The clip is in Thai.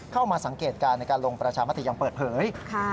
เข้ามาสังเกตการณ์ในการลงประชามติยังเปิดเผย